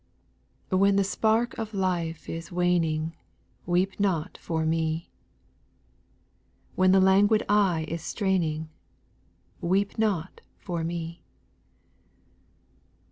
TITHEN the spark of life is waning T f Weep not for me : When the la^jguid eye is straining, Weep not for me.